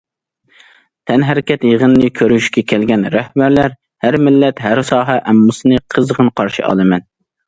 تەنھەرىكەت يىغىنىنى كۆرۈشكە كەلگەن رەھبەرلەر، ھەر مىللەت، ھەر ساھە ئاممىسىنى قىزغىن قارشى ئالىمەن!